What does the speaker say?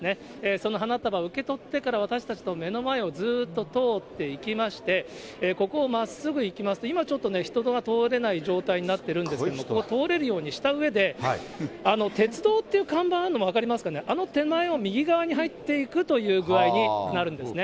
その花束を受け取ってから、私たちの目の前をずっと通っていきまして、ここをまっすぐ行きますと、今ちょっとね、人が通れない状態になってるんですけども、人が通れるようにしたうえで、鉄道っていう看板あるの、分かりますかね、あの手前を右側に入っていくという具合になるんですね。